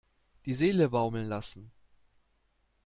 Die Seele baumeln lassen.